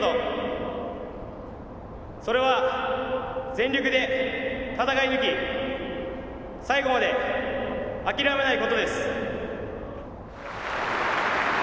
それは全力で戦い抜き最後まで諦めないことです。